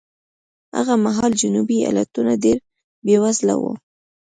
هغه مهال جنوبي ایالتونه ډېر بېوزله وو.